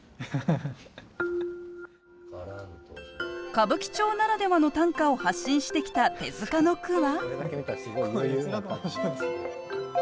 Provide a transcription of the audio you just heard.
歌舞伎町ならではの短歌を発信してきた手塚の句は。